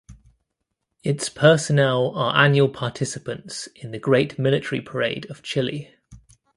Its personnel are annual participants in the Great Military Parade of Chile.